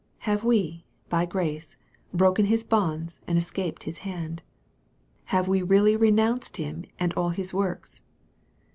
Have we, by grace, broken his bonds, and escaped his hand? Have we really renounced him and all his works